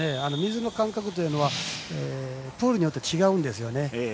水の感覚はプールによって違うんですよね。